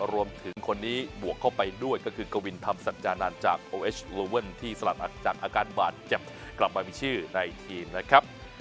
รวมถึงคนนี้บวกเข้าไปด้วยก็คือกวินธรรมสัจจานันทร์จากโอเอชโลเวิลที่สลัดอัดจากอาการบาดเจ็บกลับมามีชื่อในทีมนะครับ